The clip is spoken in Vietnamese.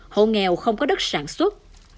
hộ nghèo không có đất sản xuất